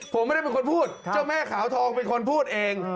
ผมไม่ได้เป็นคนพูดเจ้าแม่ขาวทองเป็นคนพูดเอง